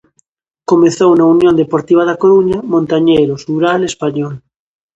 Comezou no Unión Deportiva da Coruña, Montañeros, Ural, Español...